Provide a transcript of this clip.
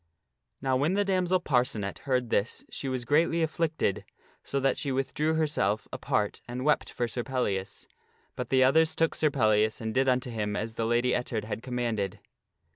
Now when the damsel Parcenet heard this she was greatly afflicted, so that she withdrew herself apart and wept for Sir Pellias. But the others took Sir Pellias and did unto him as the Lady Ettard had commanded.